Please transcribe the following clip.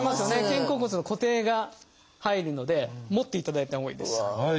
肩甲骨の固定が入るので持っていただいたほうがいいです。